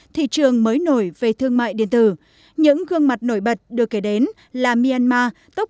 thị trường mới nổi về thương mại điện tử những gương mặt nổi bật được kể đến là myanmar tốc